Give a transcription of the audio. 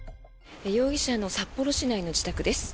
容疑者の札幌市内の自宅です。